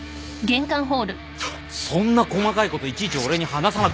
そんな細かいこといちいち俺に話さなくていい。